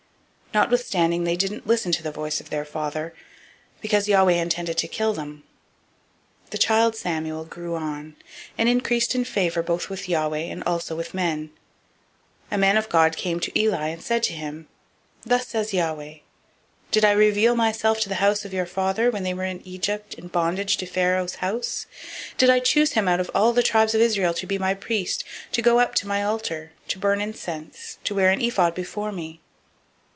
Notwithstanding, they didn't listen to the voice of their father, because Yahweh was minded to kill them. 002:026 The child Samuel grew on, and increased in favor both with Yahweh, and also with men. 002:027 There came a man of God to Eli, and said to him, Thus says Yahweh, Did I reveal myself to the house of your father, when they were in Egypt [in bondage] to Pharaoh's house? 002:028 and did I choose him out of all the tribes of Israel to be my priest, to go up to my altar, to burn incense, to wear an ephod before me?